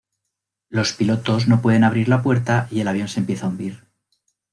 Los pilotos no pueden abrir la puerta y el avión se empieza a hundir.